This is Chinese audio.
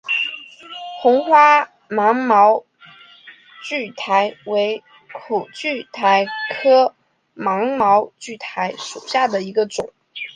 红花芒毛苣苔为苦苣苔科芒毛苣苔属下的一个种。